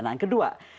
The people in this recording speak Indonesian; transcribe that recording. nah yang kedua